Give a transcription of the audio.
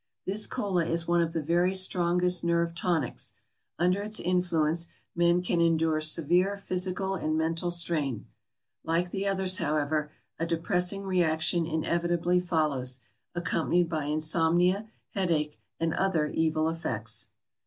This kola is one of the very strongest nerve tonics; under its influence men can endure severe physical and mental strain. Like the others, however, a depressing reaction inevitably follows, accompanied by insomnia, headache, and other evil effects.